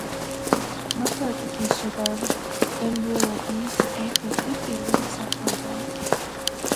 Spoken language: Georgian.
მასვე ეკუთვნის შედარებითი ემბრიოლოგიის ერთ-ერთი პირველი სახელმძღვანელო.